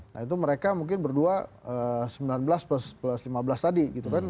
nah itu mereka mungkin berdua sembilan belas plus plus lima belas tadi gitu kan